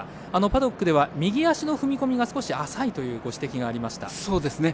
パドックでは右足の踏み込みが少し浅いというご指摘がありました。